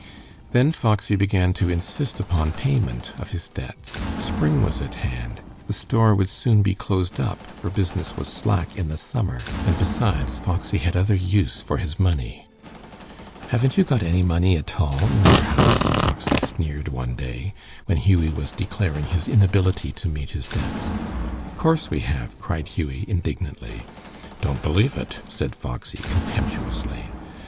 Then Foxy began to insist upon payment of his debts. Spring was at hand, the store would soon be closed up, for business was slack in the summer, and besides, Foxy had other use for his money. "Haven't you got any money at all in your house?" Foxy sneered one day, when Hughie was declaring his inability to meet his debts. "Of course we have," cried Hughie, indignantly. "Don't believe it," said Foxy, contemptuously.